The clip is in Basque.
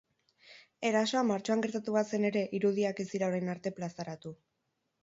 Erasoa martxoan gertatu bazen ere, irudiak ez dira orain arte plazaratu.